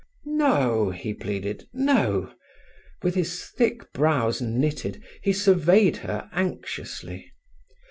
"No," he pleaded, "no!" With his thick brows knitted, he surveyed her anxiously.